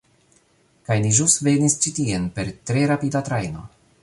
Kaj ni ĵus venis ĉi tien per tre rapida trajno.